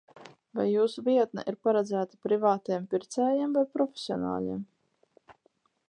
Vai jūsu vietne ir paredzēta privātiem pircējiem vai profesionāļiem?